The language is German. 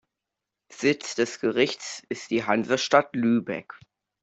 Sitz des Gerichts ist die Hansestadt Lübeck.